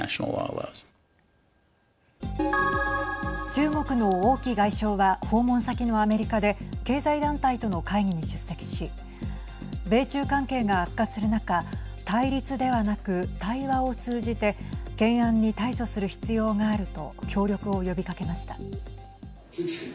中国の王毅外相は訪問先のアメリカで経済団体との会議に出席し米中関係が悪化する中対立ではなく対話を通じて懸案に対処する必要があると協力を呼びかけました。